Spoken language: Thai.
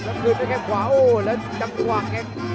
แล้วคืนไปแค่ขวาโอ้แล้วจำกว่างเอง